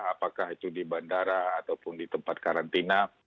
apakah itu di bandara ataupun di tempat karantina